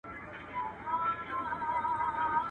خېښي په خوښي، سودا په رضا.